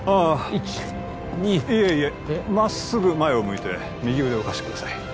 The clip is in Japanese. １２まっすぐ前を向いて右腕を貸してください